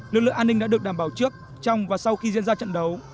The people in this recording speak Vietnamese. lực lượng an ninh đã được đảm bảo trước trong và sau khi diễn ra trận đấu